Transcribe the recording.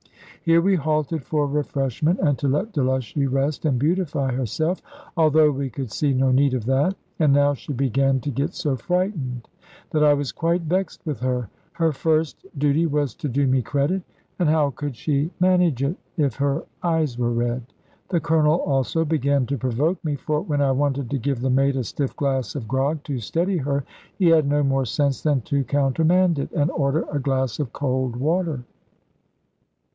Here we halted for refreshment, and to let Delushy rest and beautify herself, although we could see no need of that. And now she began to get so frightened that I was quite vexed with her: her first duty was to do me credit; and how could she manage it, if her eyes were red? The Colonel also began to provoke me, for when I wanted to give the maid a stiff glass of grog to steady her, he had no more sense than to countermand it, and order a glass of cold water!